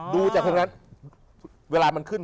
ดูจากคนนั้นเวลามันขึ้น